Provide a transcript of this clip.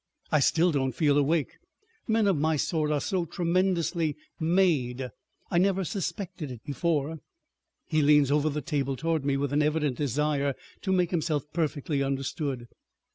I still don't feel awake. Men of my sort are so tremendously made; I never suspected it before." He leans over the table toward me with an evident desire to make himself perfectly understood.